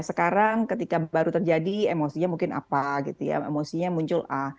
sekarang ketika baru terjadi emosinya mungkin apa gitu ya emosinya muncul a